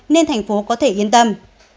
nên thành phố có thể yên tâm